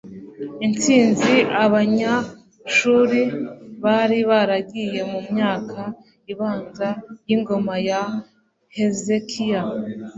intsinzi abanyashuri bari baragize mu myaka ibanza y'ingoma ya hezekiya